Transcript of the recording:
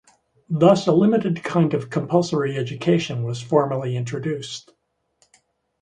Thus, a limited kind of compulsory education was formally introduced.